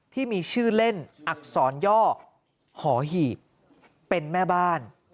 ที่มีชื่อเล่นอักษรย่อหอหีบเป็นแม่บ้าน